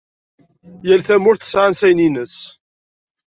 Yal tamurt tesɛa ansayen-nnes.